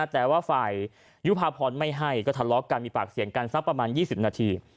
แต่ว่าฝ่ายยุภาพรไม่ให้ก็ทะเลาะกันมีปากเสียงกันสักประมาณ๒๐นาที